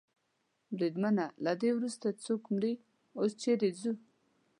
بریدمنه، له ده وروسته څوک مري؟ اوس چېرې ځو؟